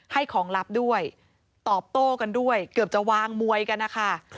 ให้ของลับด้วยตอบโต้กันด้วยเกือบจะวางมวยกันนะคะ